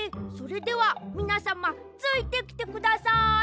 それではみなさまついてきてください！